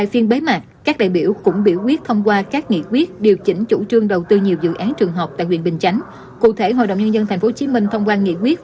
hãy đăng ký kênh để ủng hộ kênh của mình nhé